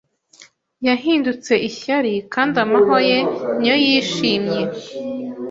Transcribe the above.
yahindutse ishyari Kandi amahwa ye niyo yishimye